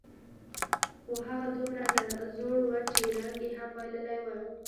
خو هغه دومره زوړ و، چې رنګ یې هم بایللی و.